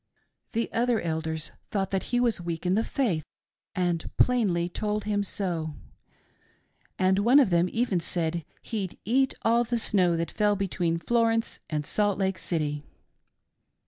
"The other Elders thought that he was weak in the faith, and plainly told him so ; and one of them even said he'd eat all the snow that fell between Florence and Salt Lake City.